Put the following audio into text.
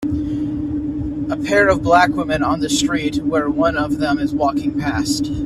A pair of black women on the street where one of them is walking past.